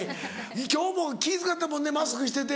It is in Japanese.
今日も気ぃ使ったもんねマスクしてて。